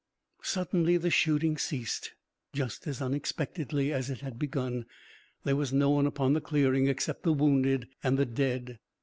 Suddenly the shooting ceased just as unexpectedly as it had begun. There was no one upon the clearing except the wounded, and the dead.